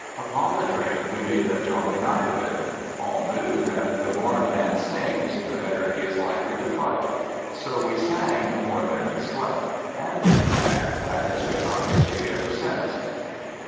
Upon the train we made a jolly night of it. All knew that the more a man sings, the better he is likely to fight. So we sang more than we slept, and, in fact, that has been our history ever since.